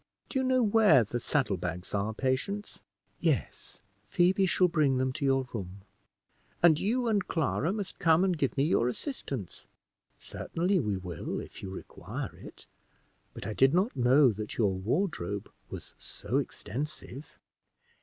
Do you know where the saddle bags are, Patience?" "Yes; Phoebe shall bring them to your room." "And you and Clara must come and give me your assistance." "Certainly we will, if you require it; but I did not know that your wardrobe was so extensive."